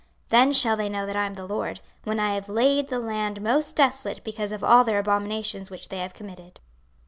26:033:029 Then shall they know that I am the LORD, when I have laid the land most desolate because of all their abominations which they have committed.